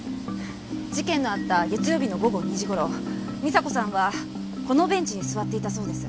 事件のあった月曜日の午後２時頃美沙子さんはこのベンチに座っていたそうです。